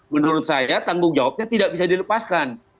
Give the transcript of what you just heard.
menurut saya tanggung jawabnya tidak bisa dilepaskan